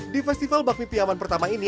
di festival bakmi piyaman pertama ini